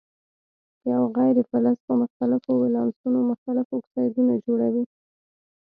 یو غیر فلز په مختلفو ولانسو مختلف اکسایدونه جوړوي.